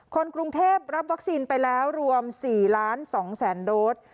คนกรุงเทพรับวัคซีนไปแล้วรวม๔๒๐๐๐โดส